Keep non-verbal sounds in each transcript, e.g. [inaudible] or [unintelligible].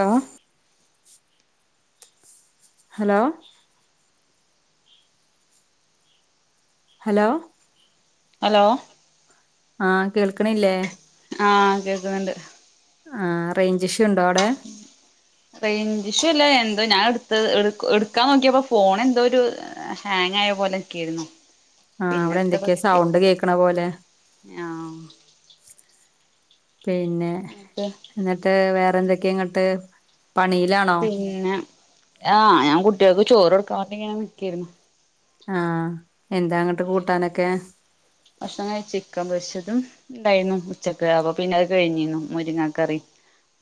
ഓ hello hello hello ആഹ് കേൾക്ക്ണില്ലേ ആഹ് കേൾക്ക്ണ് ണ്ട് ആഹ് റേഞ്ച് ഇഷ്യുണ്ടോ അവിടെ? റേഞ്ചുഷ്യു അല്ല എന്തോ ഞാൻ എടു എടുക്കാൻ നോക്കിയപ്പോ ഫോൺ എന്തോരു ഹാങ്ങായ പോലക്കായിരുന്നു. ആഹ് അവിടെ എന്തൊക്കെയാ സൗണ്ട് കേക്കണ പോലെ ആഹ് പിന്നെ എന്നിട്ട് എന്നിട്ട് വേറെ എന്തൊക്കെ ഇങ്ങട്ട് പണിയിലാണോ പിന്നെ ആഹ് ഞാൻ കുട്ടികൾക്ക് ചോറൊടുക്കാൻ വേണ്ടിങ്ങനെ നിക്കായ്രുന്നു. ആഹ് എന്താങ്ങട്ട് കൂട്ടാനൊക്കെ? ഉം ഉണ്ടായിരുന്നു ഉച്ചക്ക് അപ്പൊ പിന്നെ അത് കഴിഞ്ഞിന്നു മുരിങ്ങാകറി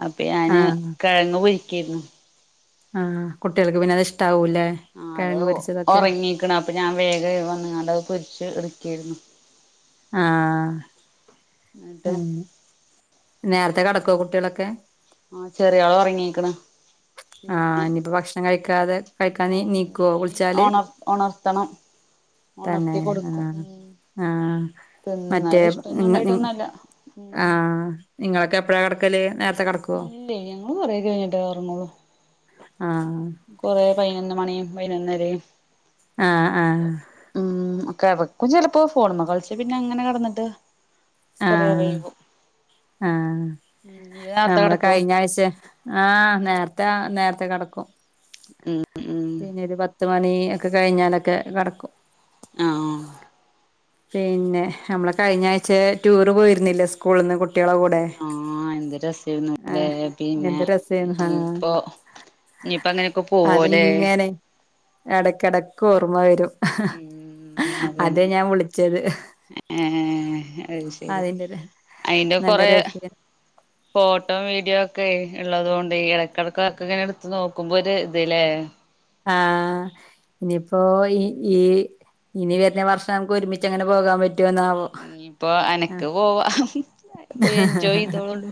അപ്പൊ ഞാന് കെഴങ്ങ് പൊരിക്കായിരുന്നു. ആ കുട്ട്യൾക്ക് പിന്നെത് ഇഷ്ടാവൂല ആ അത് ഒറങ്ങീക്ക്ണ് അപ്പൊ ഞാൻ വേഗം വന്നുങ്ങാണ്ട് പൊരിച്ച് എടു കേരുന്നു ആ എന്നിട്ട് നേര [unintelligible] ക്കൊ കുട്ടികളൊക്കെ? ആ ചെറിയാള് ഉറങ്ങിക്ക്ണ്. [unintelligible] ആ ഇനിയിപ്പോ ഭക്ഷണം കഴിക്കാതെ കഴിക്കാ ന് നീക്കുവോ ഇനി വിളിച്ചാല് ഒണർ ഒണർത്തണം ഒണർത്തി തന്നെ ആ കൊടുക്കും ഉം ആ മറ്റേ തിന്നാല് ഇഷ്ടൊന്നും ഉണ്ടായിട്ടൊന്നല്ല ഉം ആ നിങ്ങളൊക്കെ എപ്പഴാ കെടക്കല് നേരത്തെ കെടക്കുവോ ഇല്ല ഞങ്ങള് കുറെ കഴിഞ്ഞിട്ടെ ഉറങ്ങോള്ളൂ.. ആ പൈൊനൊന്നു മണിയും പതിനൊന്നരെം ആഹ് ആഹ് ഉം കെടക്കും ചെലപ്പോ ഫോൺമ്മെ കളിച്ച് പിന്നെങ്ങനെ കെടന്നിട്ട് ആ കൊറേ വൈകും ആ ഉം ഇയ്യ് നേർത്തെ നമ്മളെ കെടക്കോ കഴിഞ്ഞാഴ്ച ആ നേരത്തെ നേരത്തെ കെടക്കും ഉം ഉം പിന്നെരു പത്ത് മണി ഒക്കെ കഴിഞ്ഞാലൊക്കെ കടക്കും ആ പിന്നെ നമ്മള് കഴിഞ്ഞ ആഴ്ച ടൂർ പോയിരുന്നില്ലേ സ്കൂളിന്ന് കു- ആ എന്ത് രസേർന്നു ല്ലേ ആഹ് പിന്നെ എന്ത് രസേന്നു ആഹ് ഇപ്പൊ ഇനിപ്പോ അങ്ങനൊക്കെ പോവോലെ? അതിങ്ങനെ എടക്കെടക്ക് ഓർമ്മ വരും അതെ ഞാൻ വിളി... ഏ അത് ശരി അതിന്റെ ര അയിന്റെ നല്ല കൊറേ രസേന് ഫോട്ടോ വീഡിയോ ക്കെ ഇള്ളത് കൊണ്ട് ഈ എടക്കിടക്കക്കെടുത്ത് നോക്കുമ്പോ ഒരു ഇത് ലേ ആ ഇനിപ്പൊ ഈ ഈ ഇനി വെരുന്ന വർഷം നമുക്ക് ഒരുമിച്ചങ്ങനെ പോകാൻ പ... റ്റൂന്നാവോ ഇനിയിപ്പോ ആ അനക്ക് പോവാ പോയി എൻജോയ് ചെയ്തോളൂ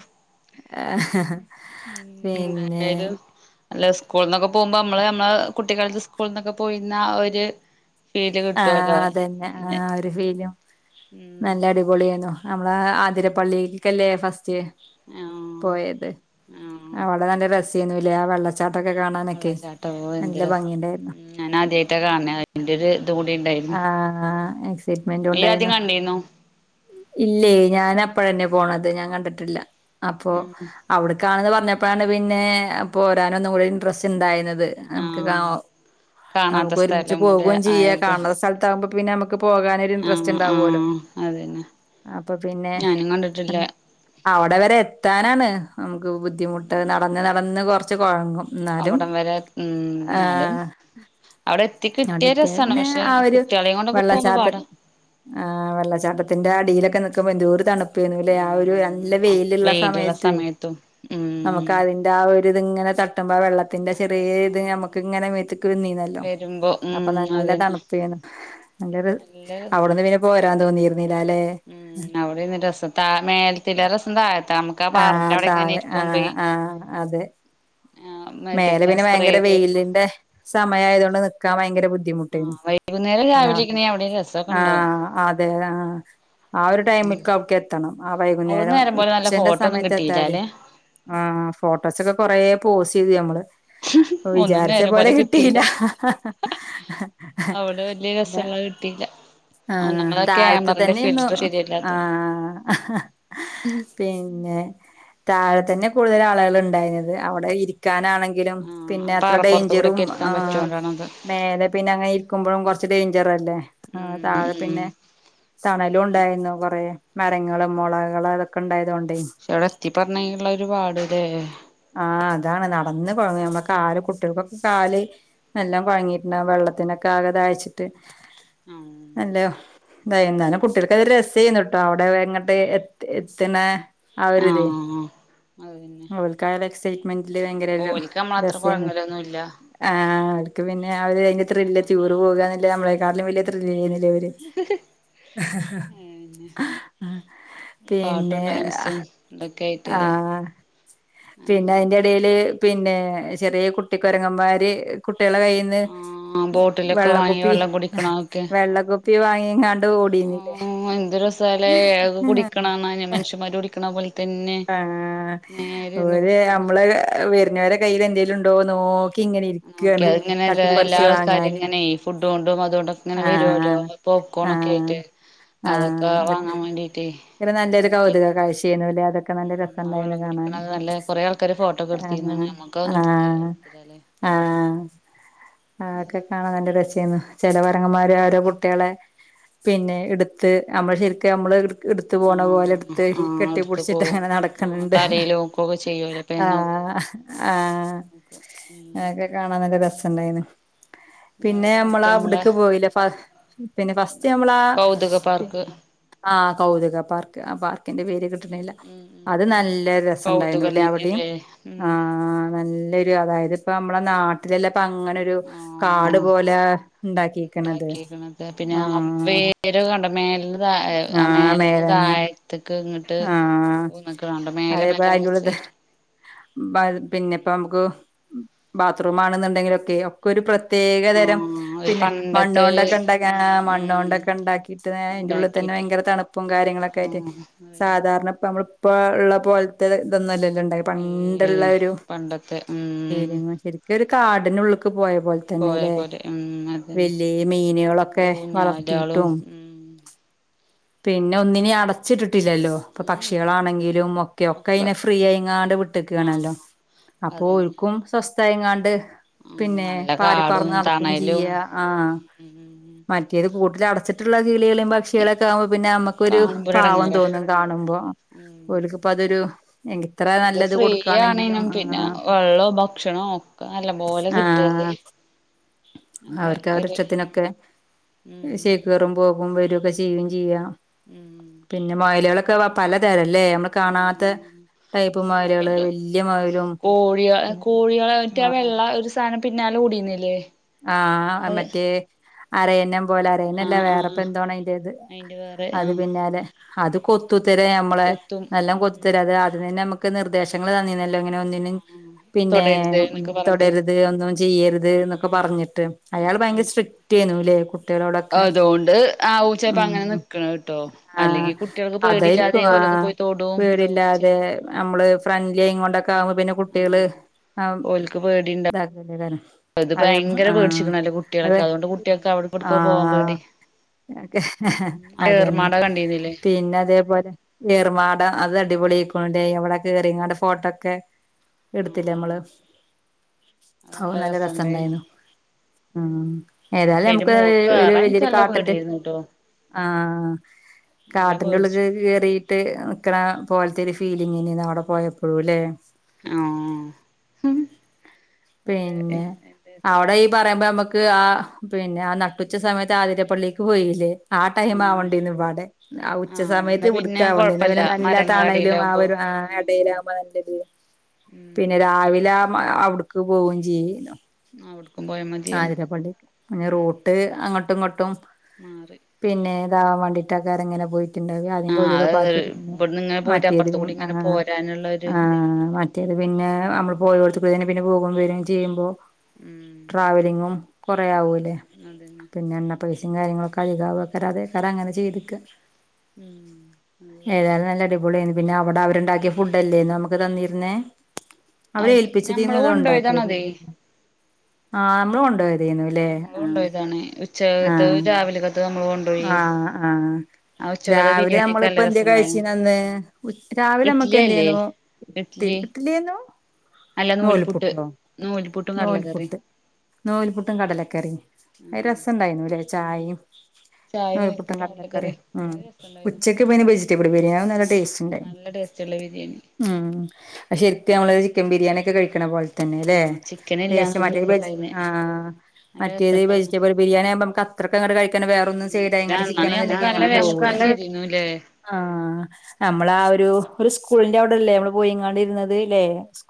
പിന്നെ [inaudible] അല്ല സ്കൂളിന്നൊക്കെ പോമ്പോ നമ്മള് നമ്മളെ കുട്ടിക്കാലത്ത് സ്കൂളിന്നൊക്കെ പോയിന്ന ആ ഒര് ആ അതെന്നെ ആ ഒരു ഫീലും ഉം നല്ല അടിപൊളിയേനു നമ്മളെ ആതിരപ്പള്ളിക്കല്ലേ ഫസ്റ്റ് ആഹ് പോയത് ആഹ് അവടെ നല്ല രസേനുല്ലേആ വെള്ളച്ചാട്ട വെള്ളച്ചാട്ട ഓ എന്ത്‌ രസം ഭംഗിണ്ടായിരുന്നു ഉം ഞാൻ ആദ്യായിട്ട കാണണെ അയിന്റൊരു ഇതും ആ ഇയ്യ് ആദ്യം എക്സൈറ്റ്മെന്റുണ്ടായിനു കണ്ടീന്നു ഇല്ലേ ഞാൻ അപ്പഴന്നെ പോണത്അത് ഞാൻ കണ്ടിട്ടില്ല അപ്പോ ഉം അവ്ട് ക്കാണെന്ന് പറഞ്ഞപ്പാണ് പിന്നെ പോരാനൊന്നു കൂടി ഇൻട്രസ്റ്റ് ഇണ്ടായിരുന്നത് നമുക്ക് ആഹ് കാണാത്ത നമുക്ക് ഒരുമിച്ച് സ്ഥലം കൂടെ പോകുവെം ചെയ്യ ആയത് [unintelligible] പോകാനൊരു ഇന്ട്രസ്റ്റ് ആഹ് ഉണ്ടവുല്ലോ ആഹ് അതന്നെ അപ്പൊ പിന്നെ ഞാനും കണ്ടിട്ടില്ല അവിടെ വരെ എത്താനാണ് ബുദ്ധിമുട്ട് നടന്ന് നടന്ന് കൊറച്ച് കൊഴങ്ങും ന്നാലും അവിടം വരെ ഉം ആ എന്നാലും അവിടെ എത്തി കിട്ടിയ അവിടെത്യ രസാണ് പിന്നെ പക്ഷെ ആ ഒരു കുട്ടികളെയും കൊണ്ടൊക്കെ പോകുമ്പോ വെള്ളച്ചാത്തൻ പാടാ ആ വെള്ളച്ചാട്ടത്തിന്റെ അടീലൊക്കെ നിക്കുമ്പോ എന്തോരു തണുപ്പ് ന്നലെ ആ ഒരു നല്ല ഉം വെയിലുള്ള സമയത്ത് സമയത്തും ഉം നമുക്ക് അതിന്റെ ആ ഇതിങ്ങനെ തട്ടുമ്പോ വെള്ളത്തിന്റെ അതെ ചെറിയ ഇത് നമുക്ക് ആഹ് ഇങ്ങനെ മേത്തക്ക വരുമ്പോ [unintelligible] അപ്പൊ ഉം നല്ല അതന്നെ തണുപ്പേനും നല്ലരു നല്ല രസ അവിടുന്ന് പിന്നെ പോരാൻ തോന്നിയി..... ഉം അവിടെന്ന് രസം ത മേലത്തില രസം താഴതാന്ന് ക്കാ ആ പാറന്റവിടെ എങ്ങനെ താഴെ ആ ഇരിക്കുംപെയി ആ അതെ മേലെ പിന്നെ ഭയങ്കര വെയിലിന്റെ സമയായത് കൊണ്ട് നിക്കാൻ ഭയങ്കര ബുദ്ധി ആ ബുദ്ധിമുട്ടു വൈകുന്നേരം പിന്ന രാവിലെക്കണെ അവിടെ രസമൊക്കെ ഉണ്ടാവും ആഹ അതെ ആഹ ആ ഒരു ടൈമക്ക് അവക്ക് എത്തണം ആ അവിടുന്ന് വൈകുന്നേരം നേരം പോലെ നല്ല ഉച്ചന്റെ ഫോട്ടോ ഒന്നും സമയത്ത് എത്താതി കിട്ടിയില്ലല്ലെ ആഹ ഫോട്ടോസൊക്കെ കൊറ പോസ്റ്റ് ചെയ്തു ഞമ്മള് വിചാരിച്ച പോലെ കിട്ടിയില്ല... അത് കിട്ടിയില്ല ആഹ ഒന്നാമത് ആ താഴത്ത ക്യാമറന്റെ തന്നെന്നു ഫിൽറ്റർ ആ ശരിയല്ലാത്തോണ്ട് [inaudible] പിന്നെ... താഴെ തന്നെ കൂടുതൽ ആളുകൾ ഇണ്ടായിനത് അവിടെ ഇരിക്കാനാണെങ്ക ആ പിന്നെ അത്ര പാറപ്പുറത്ത് ഡേഞ്ചറും കൂടെക്കെ ആ ഇരിക്കാൻ പറ്റോണ്ടാണത് മേലെ പിന്നെ അങ്ങനെ ഇരിക്കുമ്പോഴും കൊറച്ച് ഡേഞ്ചർ അല്ലേ? ഉം താഴെ ഉം പിന്നെ തണലും ഉണ്ടായിരുന്നു കൊറേ മരങ്ങളും മുളകള് അതൊക്കെ ഉണ്ടായതുകൊ പക്ഷെ അവിടെ എത്തി [unintelligible] ഒര് പാട് ല്ലേ ആഹ അതാണ് നടന്ന് കുഴങ്ങ നമ്മ കാല് കുട്ടികൾക്കൊക്കെ കാല് എല്ലാം കൊഴങ്ങിട്ട് വെള്ളത്തി ഇതിനൊക്കാകെ ദായിച്ചിട്ട് ആ [unintelligible] കുട്ടികൾക്ക് അ രസ ചെയ്യുന്നുട്ടോ അവിടെ എങ്ങട്ട് എ എത്തിന [unintelligible] ആ ആഒരിത് അത് പിന്നെ മൈൻഡില് ഭയങ്കര ഒരു ഓൽക്ക് നമ്മളത്ര രസേ നു കൊഴങ്ങലൊന്നുല്ല ആ അവർക്ക് പിന്നെ അവര് അതിന്റെ ത്രില്ലടിച്ച് ടൂറ് നമ്മക്കാണ് പോകുവാന്നേല് നമ്മളെക്കാട്ടിലും വല്ല്യ ത്രില്ല് ചെയ്യണില്ലേ അവര് ഹ പിന്നെ ഹ ഹ പാട്ടും പിന്നെ ഡാൻസും ഇതൊക്കെ ആ ആയിട്ടല്ലേ പിന്നെ അങ്ങനെ അയിന്റെടേല് പിന്നെ ചെറിയ കുട്ടിക്കൊരങ്ങമാര് കുട്ടി കുട്ടികള കയ്യിന്നു ആ വൈന്നേരം ബോട്ടിലൊക്കെ വാങ്ങി വെള്ളക്കുപ്പി വെള്ളം ഹ ഹ കുടിക്കണതൊക്കെ വെള്ളക്കുപ്പി വാങ്ങിക്കോ [unintelligible] ആ നേരെ ഇരുന്ന് അവര് കുടിക്കുന്നു ഞമ്മള് നോക്കി അതിങ്ങനെ എല്ലാ എല്ലാ ആൾക്കാരും വാങ്ങാന് ഇങ്ങനെയേ ഫുഡ് കൊണ്ടും അതുകൊണ്ടൊക്കെ ഇങ്ങനെ വരുവല്ലോ ആഹ് അപ്പൊ പോപ്കോണൊക്കെ ആഹ് ആയിട്ട് അതൊക്കെ വാങ്ങാൻ വേണ്ടീട്ടേ ഇത് നല്ലൊരു നോക്കി കൗതുക ഇതൊക്കെ നല്ല ഉം ആ രസണ്ടായിരുന്നു വെള്ളം കാണാന് കുടിക്കണത് നല്ല കൊറേ ആൾക്കാര് ഫോട്ടോക്കെ എടുത്തിരുന്നു നമ്മക്ക് ആ അതൊന്നും എടുത്ത് എടുത്തില്ലാല്ലേ ആ ആ അതൊക്കെ കാണാൻ നല്ല ര ചെയ്യുന്നു ചെല കൊരങ്ങമ്മാര് അവരടെ കുട്ടികളെ പിന്നെ എടുത്ത് ഞമ്മൾ ശരിക്കും ഞമ്മള് എടുത്ത പോണ പോലെ ആഹ് എടുത്ത് ആഹ് അടുത്ത് കെട്ടിപ്പിടിച്ചിട്ട് പോവും അങ്ങനെ ആഹ് നടക്കണൊണ്ട് തലയില് നോക്കൊക്കെ ചെയ്യോലോ ആ പേനോക്ക് നോക്ക് ആ നോക്ക് അതൊക്കെ ഉം കാണാൻ നല്ല രസാ ഒണ്ടായിരുന്നു പിന്നെ നേരെ മറ്റേ നമ്മളെ ഞമ്മളാവിടുക്ക് പോയില്ലേ പ പിന്നെ ഫസ്റ്റ് ഞമ്മളാ കൗതുക പിന്നെ പാർക്ക് ആ കൗതുക പാർക്ക് ആ പാർക്ക് എനിക്കയിന്റെ പേര് ഉം കിട്ടുന്നില്ല ഉം ഉം അത് നല്ല രസൊണ്ടായിരുന്നു കൗതുകം ഇല്ലേ അവിടെയും തന്നെല്ലേ ആ ഉം നല്ല വെരും അതായത് ഇപ്പം നമ്മടെ നാട്ടിലെല്ലാം ഇപ്പൊ അങ്ങനൊരു കാട് ആഹ് പോലെ ഇണ്ടാക്കിയേക്കണത് ആ അത് കണ്ടോ മേലന്ന് ആ മേലന്ന് താഴത്ത് ക്ക് ഇങ്ങട്ട് ആഹ് പോന്നേക്കണ കണ്ടോ മേലെ അതേപോലെ മരം വെച്ച് അയിന്റുള്ളിത്തെ പിന്നെ ഇപ്പോ നമുക്ക് ബാത്റൂം ആണെന്നുണ്ടെങ്കിലൊക്കെ ഒക്കെ ഒരു പ്ര പ്രത്യേകതരം ആഹ് ഒരു പിന്നെ മണ്ണ് പണ്ടത്തെ ഒരു കൊണ്ടൊക്കെ ഉണ്ടാക്കി ഏ ഉം ഉം മണ്ണൊണ്ടൊക്കെ ഉണ്ടാക്കിട്ട് അയിന്റുള്ളിൽ തന്നെ ഉണ്ടാക്കിട്ട് ഭയങ്കര തണുപ്പും കാര്യങ്ങളൊക്കെ ആയിട്ട് ആഹ് അതന്നെ സാധാരണ ഇപ്പം മ്മള് ഇപ്പോ ഒള്ള പോലത്തെ ഇത് ഇതൊന്നും അല്ലല്ലോ ണ്ടായി പണ്ടൊള്ള ഏയ് ഒരു പണ്ടത്തെ ഉം ഏരിയ ശരിക്കു ഒരു കാടിനുള്ളേക്ക് പോയ അതുപോലെ പോയ തന്നെല്ലേ പോലെ ഉം അതന്നെ വലിയ മീനുകളൊക്കെ ഊഞ്ഞാലാളും വളർത്തിയിട്ടും ഉം പിന്നെ അതെ ഒന്നിനേം അട ട്ടില്ലല്ലോ ഇപ്പൊ ഉം പക്ഷികളാണെങ്കിലും ഒക്കെ ഒക്കെ അയിനെ ഫ്രീ ആയിങ്ങാണ്ട് വിട്ടേക്കാണല്ലോ [inaudible] ആഹ് അതന്നെ ഉം പിന്നെ നല്ല കാടും പാറിപ്പറന്ന് നടക്കുവേം തണലും ചെയ്യാം ആ ഉം മറ്റേത് കൂട്ടിലടച്ചിട്ടൊള്ള കിളികളേം പക്ഷികളേം ഒക്കെ ആവുമ്പോ പിന്നെ നമുക്കൊരു പാവം കാണുമ്പൊരെടങ്ങേറാ തോന്നും കാണുമ്പോ ഉം ഓലുക്കിപ്പൊ അതൊരു എത്ര ഇത് നല്ലത് ഫ്രീ കൊടുക്കുവാണെങ്കിലും ആണേനും ആ പിന്നെ വെള്ളോം ഭക്ഷണോം ഒക്കെ നല്ല പോലെ ആ കിട്ടല്ലേ നല്ല അവർക്ക് അവരടെ ഒരു ഇഷ്ടത്തിനൊക്കെ ഉം ശേക്കേറും പോകുവേം വരും ഒക്കെ ചെയ്യുവേം ചെയ്യാം ഉം പിന്നെ മൊയലുകളൊ ക്കെ പലതരംല്ലേ മ്മള് കാണാത്തെ ആ [unintelligible] കോഴികള് കോഴികളെ മറ്റേ വെള്ള ആ ഒരു സാനം പിന്നാലെ ഓടിയുന്നില്ലേ ആ മറ്റേ അരയന്നം പോലെ അരയനല്ല ആഹ് വേറെപ്പോ ആഹ് എന്തോ ആണ് അതിന്റെ ഇത് അയിന്റെ വേറെ അത് ആഹ് പിന്നാലെ അത് കൊത്തുത്തരേ മ്മളെ കൊത്തും നല്ലാം കൊത്തുത്തരും ഉം അത് അതന്നെ മക്ക് ക്ക് നിർദേശങ്ങള് തന്നിരുന്നല്ലോ ങ്ങനൊന്നിനും പിന്നെ തൊടരുത് ഒന്നും എന്നൊക്കെ പറഞ്ഞിട്ട് തൊടരുത് ഒന്നും ചെയ്യരുത് എന്നൊ ക്കെ ഉം പറഞ്ഞിട്ട് അയാള് അതന്നെ ഭയങ്കര സ്ട്രിക്റ്റി ആണു അല്ലെ കുട്ടികളോടൊക്കെ അതുകൊണ്ട് ആവും ചെലപ്പോ അങ്ങനെ ഉം നിക്കണ കേട്ടോ ആ അല്ലെങ്കി കുട്ടികൾക്ക് അതായിരിക്കും പേടിയില്ലാതെ ആ ഓരോന്ന് പോയി തൊടും ഇതാവൊക്കെ പേടില്ലാതെ ചെയ്യും മ്മള് ഫ്രണ്ട്ലി ഇങ്ങോട്ടൊക്കെ ആവുമ്പോ പിന്നെ കുട്ടികള് ആഹ് ആം ഓൽക്ക് പേടിണ്ടാ ഇതാക്കല്ലേ കാരം [unintelligible] ഇത് ഭയങ്കര പേടിച്ചീക്കണ് എന്റെ കുട്ടികളൊക്കെ അതുകൊണ്ട് കുട്ടികൾക്ക് അവിടെ പഠിക്കാ പോവാൻ പേടി ഹ ഹ ആ അതന്നെ ഏർമാട കണ്ടീന്നില്ലേ പിന്നെ അതേപോലെ ഏർമാടം അത് അടിപൊളി ആയിക്കോണ്ട് അവിടെ കേറി ഇങ്ങടെ ഫോട്ടോ ഒക്കെ എടുത്തില്ലേ നമ്മള് ആഹ് അത് ഹോ നല്ല രസണ്ടായിരുന്നു രസണ്ടായിനു ഉം ഏതായാലും പക്ഷെ എന്റെ നമ്മുക്ക് മോൾക്ക് [unintelligible] ഒരു കേറാൻ എനിക്ക് വല്യൊരു നല്ല കാട്ടിന്റെ പേടിയായിരുന്നു ട്ടോ ആഹ് നല്ല കാട്ടിന്റെ പേടിച്ചു ഉള്ള്ക്ക് കേറീട്ട് നിക്ക്ണ പോൽത്തെര് ഫ് ഫീലിങ്ങന്നേന്നു അവടെ പോയപ്പഴൂല്ലേ ആഹ് നല്ല പിന്നെ രസായി അവടെ ഈ പറയുമ്പ നമ്മക്ക് ആ പിന്നെ ആ നട്ടുച്ച സമയത്ത് ആതിരപ്പള്ളീക്ക് പോയീല്ലേ ആ ആഹ് ടൈമാവണ്ടീനു പാടെ ആ ഉച്ച ആഹ് സമയത്ത് എന്നാ പിന്നെ ഇവിടുക്കാവണ്ടേ കൊഴപ്പല്ല ഇന്നേവരെ മരങ്ങള നല്ലതാണേലും ആ അടിയിലാവുമ്പോ ഒരു ആഹ് ആ ഉം എടേലാവുമ്പ നല്ലത് പിന്നെ ഉം രാവിലെ ആ മ അവിടുക്ക് പോവേം ചെയ്യ് അവിട്ക്കും പോയാ മതിയായിരുന്നു ആതിരപ്പള്ളി പിന്നെ ഉം റൂട്ട് അങ്ങട്ടു ഇങ്ങട്ടും മാറി പിന്നേ ദാ വണ്ടീട്ടൊക്കെ അതങ്ങനെ പോയി കിണ്ടാവി അല്ലെങ്കി ആഹ് ഒരു അത് കപ്പാക്കി തിന്നു ഇവിടുന്ന് ഇങ്ങനെ പോയിട്ട് മറ്റേത് അപ്പുറത്ത് പിൻ കൂടി ഇങ്ങനെ ആഹ് പോരാനുള്ള ഒരു ഇത് ആഹ് മറ്റേത് പിന്നേ അമ്മള് പോയോടത്ത്ക്കൂട തന്നെ പിന്നെ പോകും വരും ചെയ്യുമ്പോ ഉം ട്രാവലിങ്ങും കൊറേ ആവൂലേ ഉം അതന്നെ പിന്നെ എണ്ണ പൈസെം കാര്യങ്ങളൊക്കധികാവു ഏക്കാരം അതേക്കാരം അങ്ങനെ ചെയ്ത്ക്ക ഉം ഹലോ പൊളിയായിന്നു പിന്നെ അവട അവര്ണ്ടാക്കിയ ഫുഡല്ലേ നമുക്ക് തന്നിര്ന്നേ അവര് അത് ഏൽപ്പിച്ചതീന്നോ ഞമ്മള് അതോ കൊണ്ടോയതാണതേ ഒണ്ടാക്കിയതീന്നോ ആഹ് നമ്മള് കൊണ്ടോയത് തേന്നൂല്ലേ നമ്മള് കൊണ്ടോയതാണ് ഉച്ചകത്തതും ആഹ് രാവിലക്കത്തതും നമ്മള് ആഹ് കൊണ്ടോയി ആഹ് ആഹ് ആ ഉച്ചക്കത്തെ രാവിലെ ബിരിയാണിയൊക്കെ നമ്മളിപ്പോ നല്ല എന്ത്യേ രസണ്ടായിന് കഴിച്ചീനന്ന് ഉച്ച് രാവിലെ നമ്മക്ക് ഇഡ്ലി അല്ലേ എന്തേന്നു തി ഇഡ്ലി ഇട്ട്ലിയേന്നു അല്ല നൂൽപുട്ട് നൂൽപുട്ടോ നൂൽപുട്ടും കടലക്കറിം നൂൽപുട്ട് നൂൽപുട്ടും കടലക്കറി ഐ ആഹ് രസണ്ടായിരുന്നൂലേ ഉം ചായിം ചായിം നൂൽപുട്ടും കടലക്കറീം കടലക്കറിം ഉം അത് രസണ്ടായിനു ഉച്ചക്കിപ്പയിന് വെജിറ്റബിള് ബിരിയാ അവും നല്ല ടേസ്റ്റ്ണ്ടായിരുന്നു ടേസ്റ്റുള്ള ബിരിയാണി ഉം അ ശരിക്ക് നമ്മള് ചിക്കൻ ബിരിയാണിയൊക്കെ കഴിക്കണ പോലെ തന്നേല്ലേ ആഹ് ചിക്കനില്ല ടേസ്റ്റ് മറ്റേ വെജ് ആഹ് നല്ല മറ്റേത് രസണ്ടായിന് വെജിറ്റബിൾ ബിരിയാണിയാകുമ്പമ്മക്കത്രക്കങ്ങ്ട് കഴിക്കാന് വേറൊന്നും ഉം സൈഡായിങ്ങാണ്ട് ചിക്കനൊന്നുല്ലാണ്ട് [unintelligible] എരീന്നൂലേ ആഹ് നമ്മള് ആ ഒരു ഒരുസ്കൂളിന്റവിടെല്ലേ നമ്മള് പോയിങ്ങാണ്ടിരുന്നത് ലേ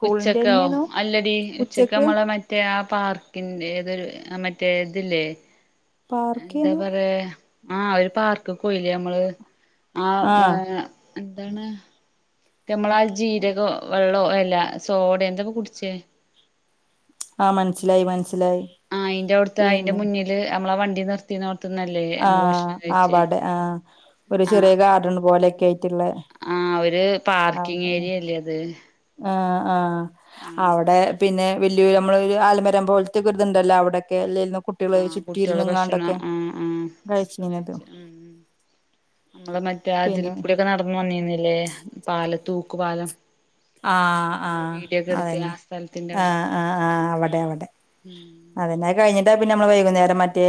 ഉച്ചക്കോ അല്ലടീ ഉച്ചക്ക് നമ്മള് മറ്റേ ആ പാർക്കിന്റെ ഏതൊരു മറ്റേ ഇതില്ലേ എന്താ പാർക്കേന്നു പറയാ ആഹ് ഒരു പാർക്ക് പോയില്ലേ ഞമ്മള് ആ ആഹ് [unintelligible] എന്താണ് ഞമ്മളാ ജീരകോ വെള്ളോ അല്ലാ സോഡേ എന്തക്കോ കുടിച്ചേ ആഹ് മൻസിലായി മൻസ് ആഹ് അയിന്റവുടുത്തെ അയിന്റ മുന്നില് ഞമ്മള വണ്ടി നിർത്തീന്നോട് ആഹ് അവാടെ ആഹ് ഒരു ചെറിയ ഗാർഡണ് പോലെ ആഹ് ഒരു അവിടെ പാർക്കിംഗ് ഏരിയല്ലേ അത് ആഹ് ആഹ് ആ അവടെ പിന്നെ വല്ല്യോര് നമ്മളൊരു ആൽമരം പോൽത്ത്യൊക്കൊരിത്ണ്ടല്ലോ അവിടെ ക്കെയല്ലേൽന്നോ ആ കുട്ടികള് കുട്ടികളെ ഭക്ഷണം ചുറ്റിയിരുന്ന്ങ്ങാണ്ടൊക്കെ ആ ആ ഭക്ഷണം കഴിച്ച ഉം ഉം നമ്മള് മറ്റേ ആ പിന്നെ അതിൽക്കൂടിയൊക്കെ നടന്ന് വന്നീന്നിൽ ല്ലേ പാല തൂക്ക് പാലം ആഹ് നമ്മള് ആഹ് വീഡിയോ ഒക്കെ എടുത്ത് ആ അതന്നെ സ്ഥലത്തിന്റെ അവിടെ ആഹ് ആഹ് ആഹ് അവടെ അവടെ ഉം അതന്നെ അത് കഴിഞ്ഞിട്ടാ പിന്നെ നമ്മള് വൈകുന്നേരം മറ്റേ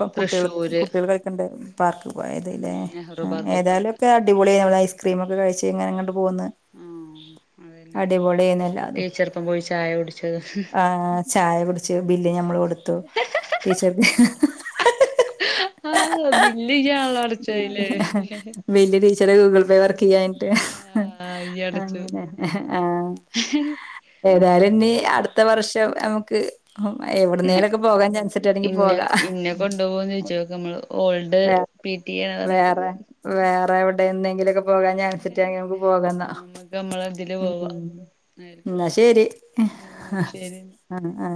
പ്പ കുട്ടികള് തൃശ്ശൂര് കുട്ടികള് കളിക്കണ്ട പാർക്ക് പോയത് ഉം ല്ലേ നെഹ്റു പാർക്ക് ഒക്കെ പോയത് ഏതായാലൊക്കെ അടിപൊളിയായി [unintelligible] ഐസ്ക്രീമൊക്കെ കഴിച്ച് ഇങ്ങനിങ്ങട്ട് പോന്ന് ആഹ് അതന്നെ അടിപൊളിയേനല്ലോ അതും ടീച്ചർപ്പം പോയി ചായ കുടിച്ചത് ആഹ് ചാ ചായ കുടിച്ചു ബില്ല് ഞമ്മള് കൊടുത്തു ടീച്ചർക്ക് ആഹ് ബില്ലിയ്യാ വല്യ ടീച്ചറെ ഗൂഗിൾ പേ വർ കിഴാഞ്ഞിട്ട് ആഹ് ഇയ്യ് അടച്ചു അങ്ങനെ ആഹ ഏതായാലും ഇനി അടുത്ത വർഷം നമുക്ക് ഉ ഇന്ന എവിടുന്നേലൊക്കെ പോകാൻ ചാൻസ് കിട്ടാണെങ്കി ഇന്ന പോക ഇന്നെ കൊണ്ടുപോകോന്ന് ചോദിച്ചോക്ക് നമ്മള് ഓൾഡ് വേറെ പി ടി എ എന്ന് പറഞ്ഞിട്ട് വേറെ വേറെ എവിടെ എന്തെങ്കിലും പോകാൻ ചാൻസ് നികിട്ടാനായി ണ നമ്മക്ക്ച്ചിട്ട് പോകന്നാ ആഹ് നമ്മക്ക് നമ്മളെ ഇതില് ഉ പോവാ എന്ന അയൽക്കൂട്ടം ശരി ഉം ശരി ആആ